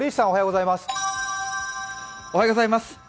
おはようございます。